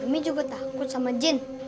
mami mami juga takut sama jin